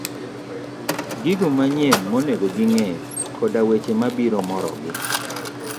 gigo manyien monego ging'e, koda weche mabiro morogi.